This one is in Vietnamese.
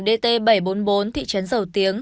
dt bảy trăm bốn mươi bốn thị trấn dầu tiếng